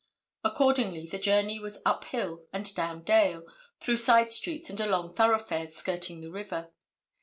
Accordingly, the journey was up hill and down dale, through side streets and along thoroughfares skirting the river.